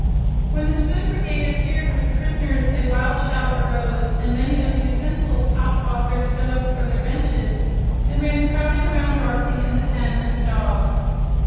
When the Spoon Brigade appeared with the prisoners a wild shout arose and many of the utensils hopped off their stoves or their benches and ran crowding around Dorothy and the hen and the dog.